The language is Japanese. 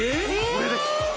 これです